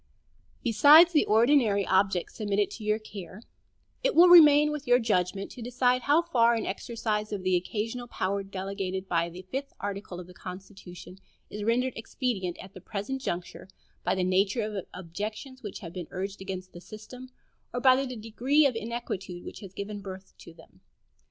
Besides the ordinary objects submitted to your care, it will remain with your judgment to decide how far an exercise of the occasional power delegated by the fifth article of the Constitution is rendered expedient at the present juncture by the nature of objections which have been urged against the system, or by the degree of inquietude which has given birth to them.